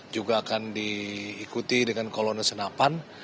juga akan diikuti dengan kolonel senapan